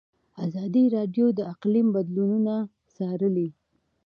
ازادي راډیو د اقلیم بدلونونه څارلي.